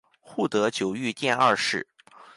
护得久御殿二世。